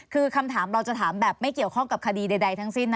คือคำถามเราจะถามแบบไม่เกี่ยวข้องกับคดีใดทั้งสิ้น